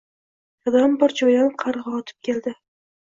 Dadam bir joydan qarg‘a otib keldi.